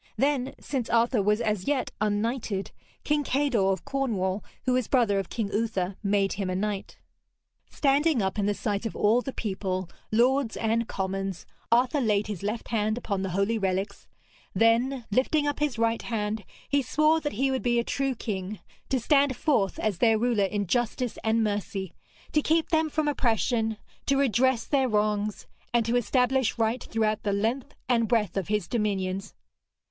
Then, since Arthur was as yet unknighted, King Kador of Cornwall, who was brother of King Uther, made him a knight. Standing up in the sight of all the people, lords and commons, Arthur laid his left hand upon the holy relics; then, lifting up his right hand, he swore that he would be a true king, to stand forth as their ruler in justice and mercy, to keep them from oppression, to redress their wrongs, and to establish right throughout the length and breadth of his dominions.